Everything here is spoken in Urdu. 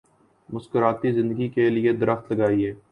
مسکراتی زندگی کے لیے درخت لگائیں۔